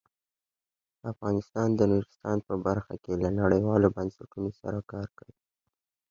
افغانستان د نورستان په برخه کې له نړیوالو بنسټونو سره کار کوي.